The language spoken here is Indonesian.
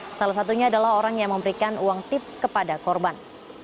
salah satunya adalah orang yang memberikan uang tip kepada korban